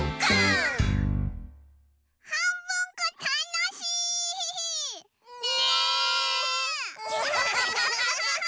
はんぶんこたのしい！ねえ！